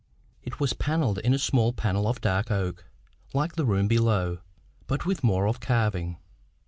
It was panelled in small panels of dark oak, like the room below, but with more of carving.